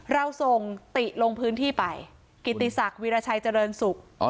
เราส่งติลงพื้นที่ไปกิติศักดิ์วีรชัยเจริญศุกร์